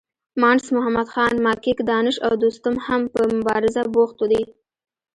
مانډس محمدخان، ماکیک، دانش او دوستم هم په مبارزه بوخت دي.